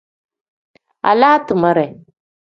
Alaa timere.